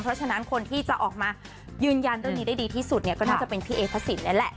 เพราะฉะนั้นคนที่จะออกมายืนยันเรื่องนี้ได้ดีที่สุดเนี่ยก็น่าจะเป็นพี่เอพระสินนั่นแหละ